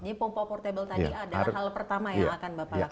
pompa portable tadi adalah hal pertama yang akan bapak lakukan